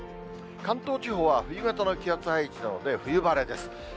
関東地方は冬型の気圧配置なので、冬晴れです。